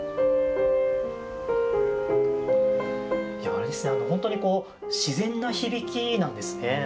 あれですね、本当に自然な響きなんですね。